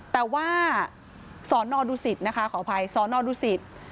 แต่ว่าสอนอดูสิตนะคะขออภัยสนดูสิต